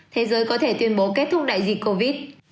thế giới có thể tuyên bố kết thúc đại dịch covid